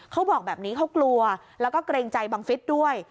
เขาบอกแบบนี้เขากลัวแล้วก็เกรงใจบังฟิศด้วย